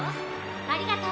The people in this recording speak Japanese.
ありがとう。